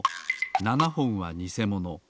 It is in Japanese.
７ほんはにせもの